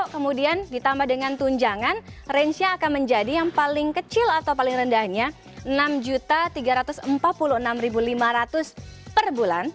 kemudian ditambah dengan tunjangan range nya akan menjadi yang paling kecil atau paling rendahnya rp enam tiga ratus empat puluh enam lima ratus per bulan